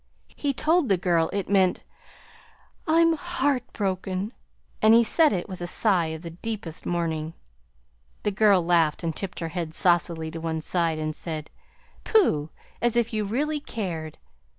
He told the girl it meant 'I'm heartbroken,' and he said it was a sign of the deepest mourning. The girl laughed and tipped her head saucily to one side, and said, 'Pooh! as if you really cared!'